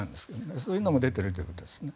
そういうのも出ているということです。